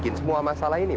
irsan kami lagi nih